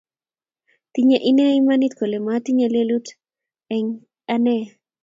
Tinye inee imanit kole matinye lelut eng anee